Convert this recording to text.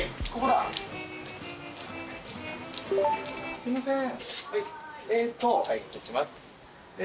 すいません。